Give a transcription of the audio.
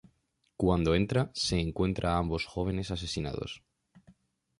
Cuando entra, se encuentra a ambos jóvenes asesinados.